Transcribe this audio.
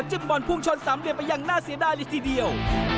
บอลพุ่งชนสามเหลี่ยมไปอย่างน่าเสียดายเลยทีเดียว